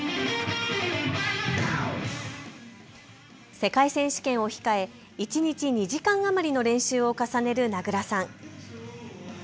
世界選手権を控え一日２時間余りの練習を重ねる名倉さん。